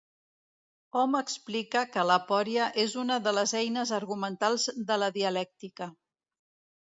Hom explica que l'aporia és una de les eines argumentals de la dialèctica.